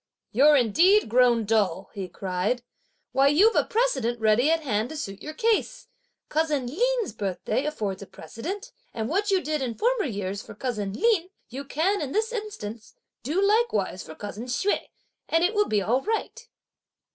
"You're indeed grown dull!" he cried; "why you've a precedent ready at hand to suit your case! Cousin Lin's birthday affords a precedent, and what you did in former years for cousin Lin, you can in this instance likewise do for cousin Hsüeh, and it will be all right."